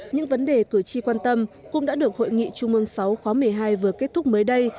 những vấn đề cử tri quan tâm cũng đã được hội nghị trung ương sáu khóa một mươi hai vừa kết thúc mới đây